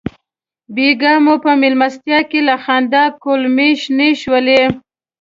بېګا مو په مېلمستیا کې له خندا کولمې شنې شولې.